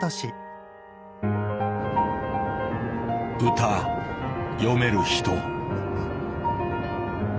歌詠める人。